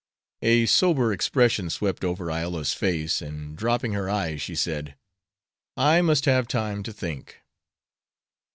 A sober expression swept over Iola's face, and, dropping her eyes, she said: "I must have time to think."